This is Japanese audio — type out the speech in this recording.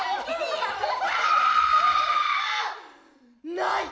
ない。